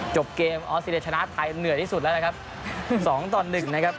จบเกมออสเตรเลียชนะไทยเหนื่อยที่สุดแล้วนะครับสองต่อหนึ่งนะครับ